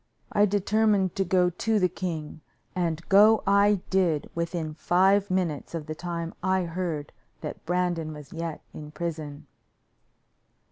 I determined to go to the king, and go I did within five minutes of the time I heard that Brandon was yet in prison.